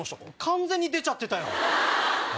完全に出ちゃってたよ。